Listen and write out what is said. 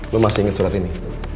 lo masih inget surat ini